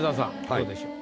どうでしょう？